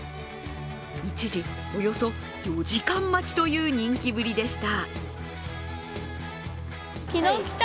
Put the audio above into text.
一時、およそ４時間待ちという人気ぶりでした。